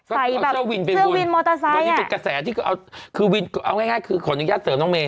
เสื้อวินมอเตอร์ไซค์อันนี้เป็นกระแสที่ก็เอาคือวินเอาง่ายคือขออนุญาตเสริมน้องเมย